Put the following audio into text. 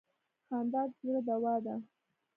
خندا د زړه دوا ده.